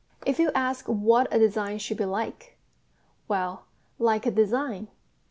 If you ask what a design should be like well, like a design.